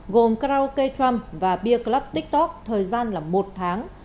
gồm karaoke trump và beer club tiktok thời gian một tháng